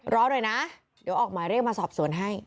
รอหน่อยนะเดี๋ยวออกหมายเรียกมาสอบสวนให้